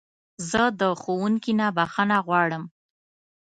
زه د ښوونکي نه بخښنه غواړم.